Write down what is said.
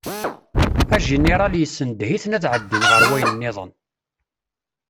Ajiniral yessendeh-iten ad ɛeddin ɣer wayen-nniḍen.